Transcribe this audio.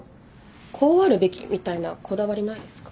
こうあるべきみたいなこだわりないですか？